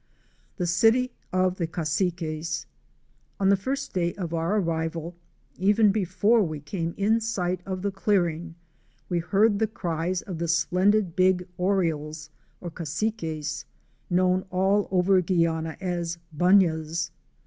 THE CITY OF THE CASSIQUES. On the first day of our arrival, even before we came in sight of the clearing, we heard the cries of the splendid big Orioles or Cassiques, known all over Guiana as Bunyahs.